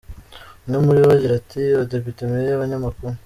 Umwe muri bo agira ati “abadepite, meya, abanyamakuru, .